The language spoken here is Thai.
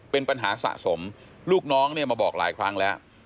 เป็นปัญหาสะสมลูกน้องเนี่ยมาบอกหลายครั้งแล้ว